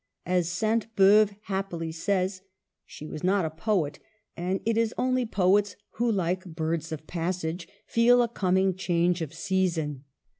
As Saint BeuVe happily says, she was not a poet, and it is only poets who, like birds of passage, feel a coming change of season.